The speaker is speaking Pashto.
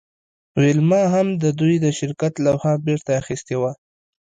ویلما هم د دوی د شرکت لوحه بیرته اخیستې وه